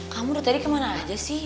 kamu tuh tadi kemana aja sih